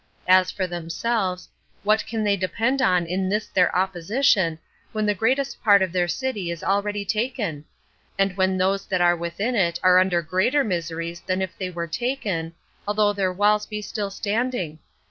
As for themselves, what can they depend on in this their opposition, when the greatest part of their city is already taken? and when those that are within it are under greater miseries than if they were taken, although their walls be still standing?